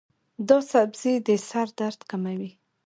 دا سبزی د سر درد کموي.